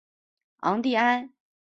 昂蒂安。